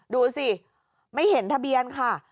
ดูสิไม่เห็นทะเบียนค่ะ